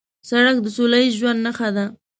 سړک د سولهییز ژوند نښه ده.